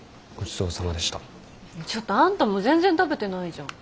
ちょっとあんたも全然食べてないじゃん。